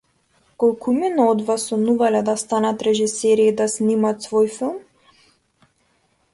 Колкумина од вас сонувале да станат режисери и да снимат свој филм?